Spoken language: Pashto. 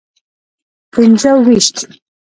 پنځه ویشت.